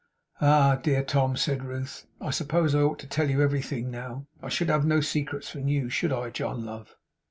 'Ah! dear Tom!' said Ruth. 'I suppose I ought to tell you everything now. I should have no secrets from you. Should I, John, love?